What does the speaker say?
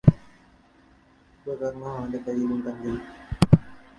ഉപകരണം അവന്റെ കയ്യിലുണ്ടെങ്കില്